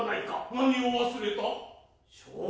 何を忘れた？